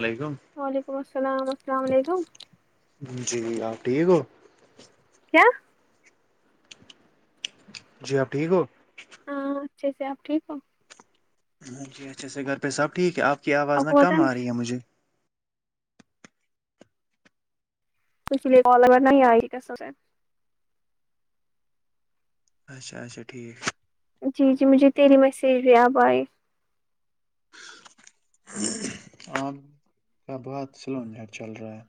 السلیکم وعلیکم السلام السلام علیکم جی آپ ٹھیک ہو کیا جی آپ ٹھیک ہو ہاں اچھے سے آپ ٹھیک ہو جی اچھا سے گھر پہ سب ٹھیک ہے آپ کی آواز نہ کم آ رہی ہے مجھے اس لیے کال ا نہیں آئی کیاس اچھا اچھا ٹھیک جی جی مجھے تیری میسیج بھی آپ آئی آپ کا بہت سلو نیٹ چل رہا ہے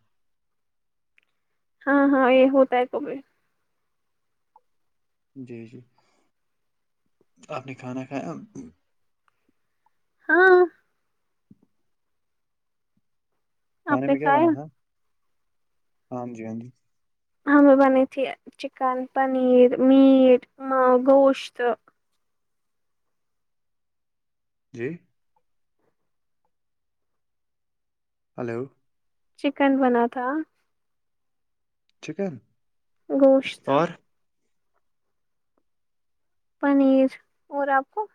ہاں ہاں یہ ہوتا ہے کب جی جی آپ نے کھانا کھایا ہاں کانے آپ نے میں کیا بانا کھایا تھا ہاں جی ہاں جی ہم بنی تھی چکن پنیر میٹ م گوشت جی ہیلو چکن بنا تھا چکن گوشت اور پنیر اور آپ کو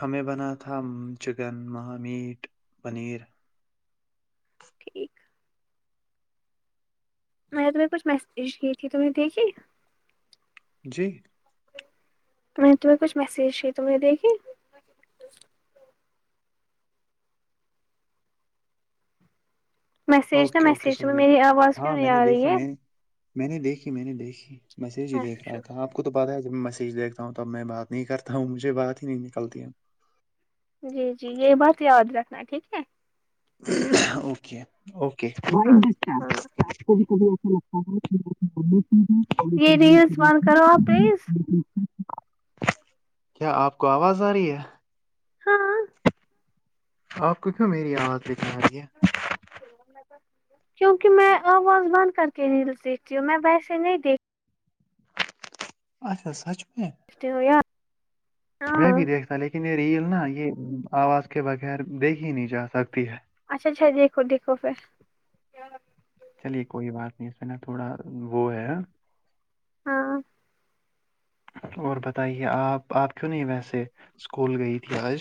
ہمیں بنا تھا چکن مہا میٹ پنیر ٹھیک میں نے تمہیں کچھ میسج کی تھی تم نے دیکھی جی میں تمہیں کچھ مسیج کیا ہے تمہ نے دیکھی میسج نا اوکے اوکے میسج تمہیں چلیے میری آواز کیوں ہاں نہیں میں نے آ رہی دیکھی ہے میں میں نے دیکھی میں نے دیکھی میسج ہی دیکھ اچھا رہا تھا آپ کو تو پتاہ ہے جب میں میسیج دیکھتا ہوں تب میں بات نہیں کرتا ہوں مجھے بات ہی نہیں نلتی جی جی یہ بات یاد رکھنا ہے ٹھیک ہے اوکے اوکے ہاں ہاں یہ ریلس بند کرو آپ پلیز [unintelligible] [inaudible] کیا آپ کو آواز آ رہی ہے ہاں آپ کو کیوں میری آواز دکھنے آ رہی ہے کیونکہ ہوں واز بند کر کے ریلس دیکتی ہوں میں ویسے نہیں دیکتی اچھا سچ میں تے ہو یا میں بھی دیکھتا لیکن یہ ریل نا یہ آواز کے بغیر دیکھ ہی نہیں جا سکتی ہے اچھا اچھا دیکھو دیکھو پھر چلیے کوئی بات نہیں اس میں نا تھوڑا وہ ہے ہاں اور بتائیے آپ آپ کیوں نہیں ویسے اسکول گئی تھی آج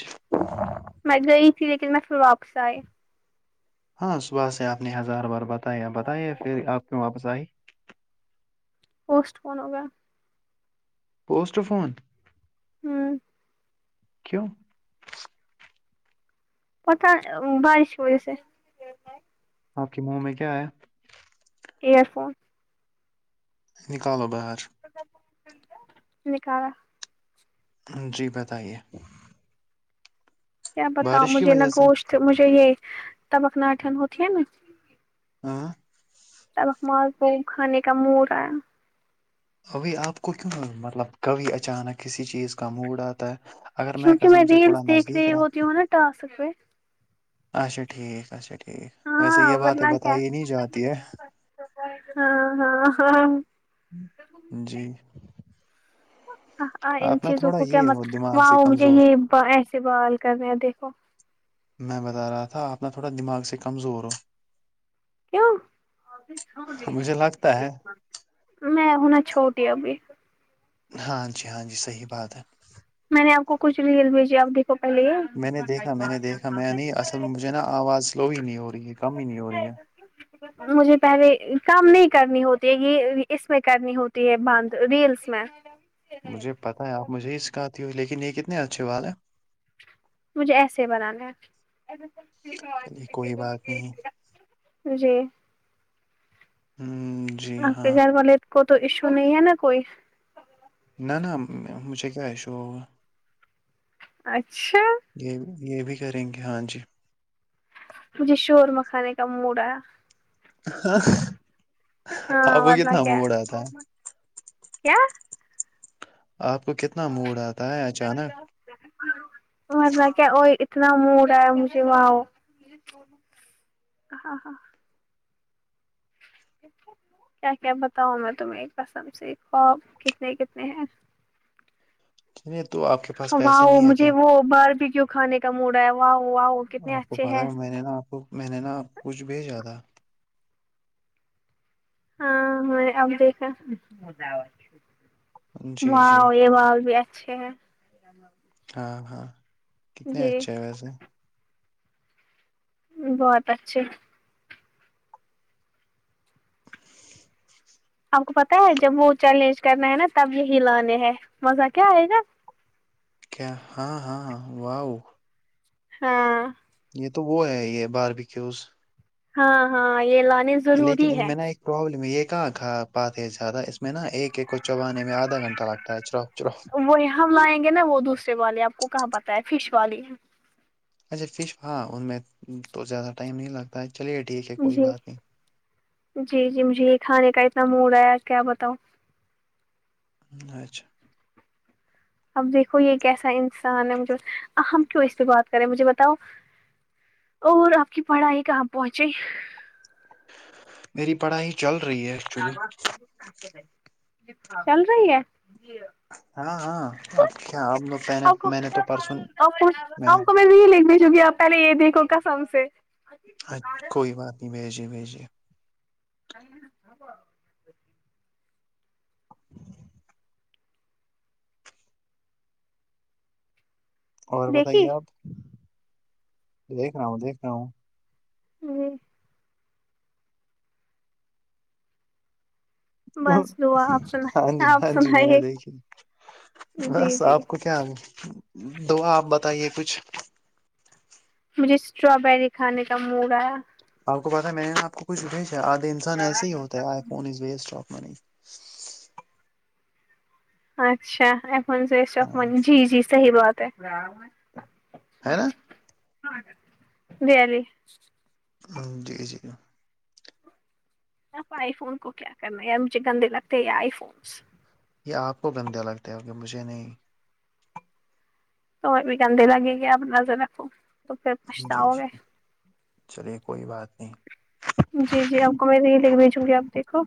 میں گئی تھی لیکن میں پھر واپس آئے ہاں صبح سے آپ نے ہزار بار بتایا بتائییا پھر آپ کیوں واپس آئی پوسٹ فن ہوگا پوسٹ فون ہوں کیوں پتہ بارش کی وجہ سے آپ کے منہ میں کیا ہے ایئر فون نکالو باہر نکالا ہاں جی بتائیے کیا بتاؤ بارش کی مجھے نا وجہ سے گوشت مجھے یہ تبکناٹن ہوتی ہے نا ہاں چلو مال پوئے کھانے کا موڈ ایا ابھی آپ کو کیوں مطلب کبھی اچانک کسی چیز کا موڈ آتا ہے اگر میں کیونکہ قسم سے تھوڑا ریلس دیکھ نزدیک رہی رہا ہوتی ہوں نا ٹاسک پہ اچھا ٹھیک اچھا ٹھیک ویسے یے ہاں باتیں ورنہ کیا بتائی نہیں جاتی ہے ہاں ہاں ہاں جی آ ان آپ نا چیزوں تھوڑا کو کیا یہ مت ہو دماغ وہاں سے مجھے کمزور یے ایسے بال کر رہے ہیں دیکھو میں بتا رہا تھا آپ نا تھوڑا دماغ سے کمزور ہو کیوں مجھے لگتا ہے میں ہونا چھوٹی ابھی ہاں جی ہاں جی صحیح بات ہے میں نے آپ کو کچھ ریل بھیجی آپ دیکھ تو پہلے میں نے دیکھا میں نے دیکھا میں نہیں اصل میں مجھے نا آواز سلو ہی نہیں ہو رہی ہے کم ہی نہیں ہو رہی ہے مجھے پہلے کام نہیں کرنی ہوتی ہے یے اس میں کرنی ہوتی ہے باندھ ریلس میں مجھے پتہ ہے آپ مجھے ہی سکھاتی ہو لیکن یے کتنے اچھے والا ہیں مجھے ایسے ہی بنانا ہے چلیے کوئی بات نہیں جی ہمم آپ کے گھر والے کو تو ایشو نہیں ہے نا کوئی نہ نہ مجھے کیا ایشو ہوگا اچھا یے بھی یے بھی کریں گے ہاں جی مجھے شورما کھانے کا موڈ آیا آب ہاں کو ورنہ کتنا کیا موڈ آتا ہے کیا آپ کو کتنا موڈ آتا ہے اچانک ورنہ کیا وہ اتنا موڈا ہے مجھے وہاں وہ ہاں ہاں کیا کیا بتاؤں میں تمہیں ایک قسم سے خواب کتنے کتنے ہیں یے تو آپ پاس پیسے واؤ نہیں ہے مجھے کیا وہ باربیقو کھانے کا موڈ آیا واؤ واؤ کتنے آپ کو اچھے پتا ہیں ہے میں نے نا آپ کو میں نے نا آپ کو کچھ بھیجا تھا ہاں میں نے اب دیکھا جی جی واؤ یے واؤ یے چھے ہے [unintelligible] ہاں ہاں کتنے جی اچھے ہیں ویسے بہت اچھے آپ کو پتہ ہے جب وہ چیلنج کرنا ہے نا تب یہی لانے ہے مزہ کیا آئے گا کیا ہاں ہاں ہاں واؤ ہاں یے تو وہ ہے یے باربیکیوز ہاں ہاں یے لانیز لیکن ابھی میں نے ایک پرابلم ہے یے کہاں کا بات ہے زیادہ اس میں نا ایک ایک کو چبانے میں آھا گھنٹہ لگتا ہے چرا چراپ وہی ہم لائیں گے نا وہ دوسرے والی آپ کو کہاں پتہ ہے فش والی اچھا فش ہاں ان میں تو زیادہ ٹائم نہیں لگتا ہے چلیے ٹھیک ہے کوئی جی بات نہیں جی جی مجھے یے کھانے کا اتنا موڈ آیا کیا بتاؤ اچھا اب دیکھو یے کیسا انسان ہے مجھے ہم کیوں اس سے بات کرے مجھے بتاؤ اور آپ کی پڑھائی کہاں پہنچی میری پڑھائی چل رہی ہے ایکچولی چل رہی ہے ہاں ہاں اب کیا پے نے آپ میں نے تو پرسوں میں نے نہیں لکھنے چونکہ پہلے یے دیکھو قسم سے اچ کوئی بات نہیں بھیجیے بھیجیے [inaudible] اور دیکھی بتائیے آپ دیکھ رہا ہوں دیکھ رہا ہوں آمم بس دعا آپ ہاں جی سنا آپ ہاں جی میں نے سنائیے دیکھی بس جی جی آپ کو کیا دعا آپ بتائیے کچھ مجھے اسٹرابیری کھانے کا موڈ آیا آپ کو پتہ ہے میں آپ کو کچھ بھیجا آدھے انسان ایسے ہی ہوتا ہے iPhone is waste of money اچھا iPhone is waste of ہاں منی جی جی صحیح بات ہے ہے نا ویری ہمم جی جی آئی فون کو کیا کرنا ہے یا مجھے گندے لگتے یے آئی فونس یے آپ کو گندہ لگتا ہے مجھے نہیں تمہیں بھی گندے لگے گی آپ نظر رکھو تو پھر جی پچھتاؤ جی گے چلے کوئی بات نہیں جی جی آپ کو میں نے یے لنک بھیجی چھوڑی آپ دیکھو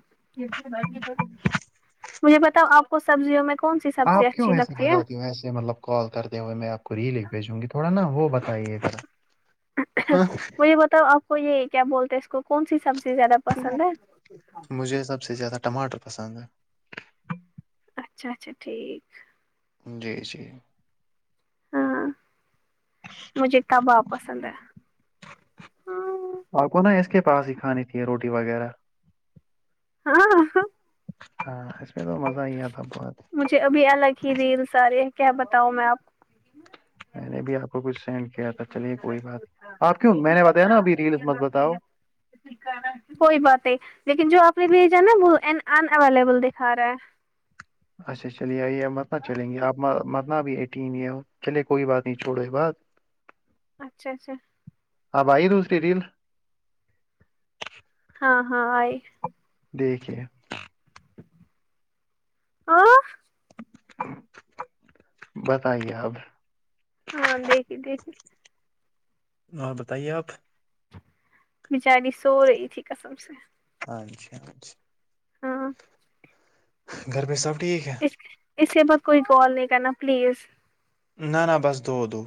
مجھے بتاؤ آپ کو سبزیوں میں کون سی سبزی آپ کیوں اچھی ایسے لگتی ہے بجاتی ہو ایسے مطلب کال کرتے ہوئے میں آپ کو ریل ایک بھیجوں گی تھوڑا نا وہ بتائیے ذرا مجھے بتاؤ آپ کو یے کیا بولتے اس کو کونسی سبزی زیادہ پسند ہے مجھے سب سے زیادہ ٹماٹر پسند ہے اچھا اچھا ٹھیک جی جی ہاں مجھے کباب پسند ہے ہاں آپ کو نا اس کے پاس ہی کھانی تھی روٹی وغیرہ ہاں ہاں اس میں تو مزہ ہی آتا بہت چے ابھی الگ ہی ریلس آرے ہیں کیا بتاؤ میں آپ میں نے بھی آپ کچھ سینڈ کیا تھا چلیے کوئی بات نہیں آپ کیوں میں نے بتایا نا ابھی ریلس مت بتاؤ کوئی بات نہیں لیکن جو آپ نے بھیجا نا وہ ان ان اویلیبل دکھا رہا ہے اچھا چلیے آئیے مت نا چلیں گے آپ مت نا بھی ایٹین یے چلیے کوئی بات نہیں چھوڑو یے بات اچھا اچھا اب آئی دوسری ریل ہاں ہاں آئی دیکھیے آ بتائیے اب ہاں دیکھی دیکھی اور بتائیے آپ بچاری سو رہی تھی کسم سے اچھا اچھا ہاں گھر پے سب ٹھیک ہے اسی کے بعد کوئی کال نہیں کرنا پلیز نا نا بس دو دو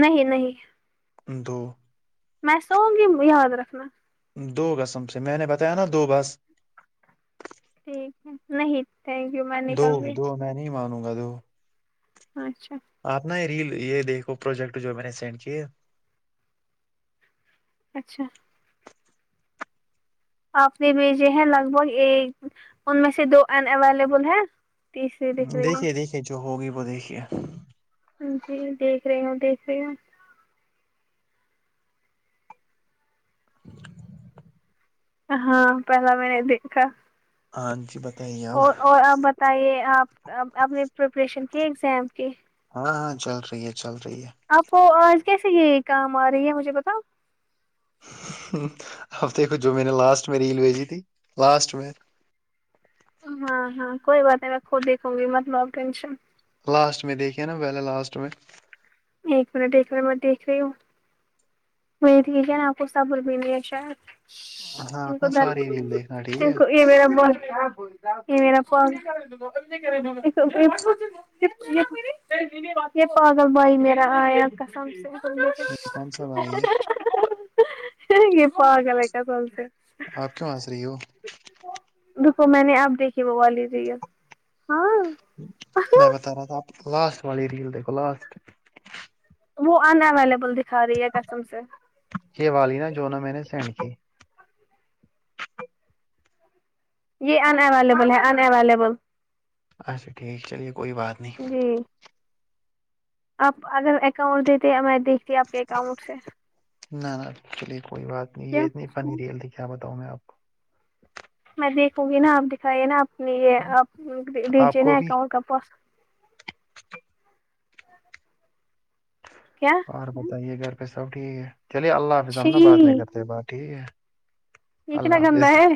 نہیں نہیں دو میں سوگی یاد رکھنا دو کسم سے میں نے بتایا نا دو بس ٹھیک ہے نہیں تھینک یو میں دو نکلوں گی دو میں نہیں مانوں گا دو اچھا آپ نا یے ریل یے دیکھو پروجیکٹ جو میں نے سینڈ کیے اچھا آپ نے بیجے ہیں لگ بھگ ایک ان میں سے دو این اویلیبل ہے تیسری دکھ رہی دیکھیے دیکھیے جو ہوگی وہ دیکھیے جی دیکھ رہی ہو دیکھ رہی ہو ہاں پہلا میں نے دیکھا ہاں جی بت اور اور آپ بتائیے آپ آپ نے پریپریشن کی اگزام کی ہاں ہاں چل رہی ہے چل رہی ہے آپ کو آج کیسے یے کام آ رہی ہے مجھے بتاؤ آپ دیکھوں جو میں نے لاسٹ میں ریل بھیجی تھی لاسٹ میں ہاں ہاں کوئی بات نہیں میں خود دیکھوں گی مت لو ٹینشن لاسٹ میں دیکھیے نا پہلے لاسٹ میں ایک منٹ ایک منٹ میں دیکھ رہی ہوں مجھے ٹھیک ہے نا آپ کو صبر بھی نہیں ہے شاید ہاں روکو اپنا میں ساری ریل دیکھنا ٹھیک ہے یے میرا بول یے میرا [unintelligible] اٹس اوکے یے پاگل بھائی میرا آیا کسم سے یے کون سا بھائی ہے یے پگل ہے قسم سے آپ کیوں ہنس رہی ہو روکو میں نے آپ دیکھیں وہ والی ریل ہاں میں بتا رہا تھا آپ لاسٹ والی ریل دیکھو لاسٹ وہ ان اویلیبل دکھا رہی ہے کسم سے یے والی نا جو نہ میں نے سینڈ کی یے ان اویلیبل ہے ان اویلیبل اچھا ٹھیک چلیے کوئی بات نہیں جی آپ اگر اکاؤنٹ دیتے یا میں دیک نہ نہ چلیے کوئی بات نہیں یے کیوں اتنی فنی ریل تھی کیا بتاؤں میں آپ کو میں دیکھوں گی نا آپ دکھائیے نا اپنی یے آپ آپ دیجیے کو نا بھی اکاؤنٹ کا پاس کیا اور بتائیے گھر پے سب ٹھیک ہے چلیے اللہ حافظ ہم چھی نا بعد میں کرتے ہیں بات ٹھیک ہے یے اللہ کتنا گندا حافظ ہے